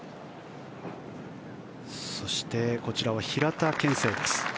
そしてこちらは平田憲聖です。